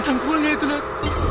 cangkulnya itu nek